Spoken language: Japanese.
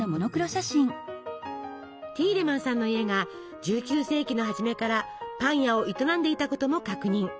ティーレマンさんの家が１９世紀の初めからパン屋を営んでいたことも確認。